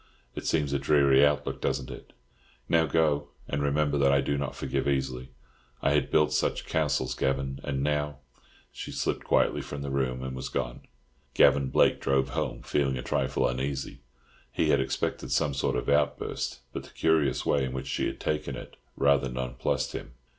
It seems a dreary outlook, doesn't it? Now go, and remember that I do not forgive easily. I had built such castles, Gavan, and now—" She slipped quietly from the room, and was gone. Gavan Blake drove home, feeling a trifle uneasy. He had expected some sort of outburst, but the curious way in which she had taken it rather non plussed him.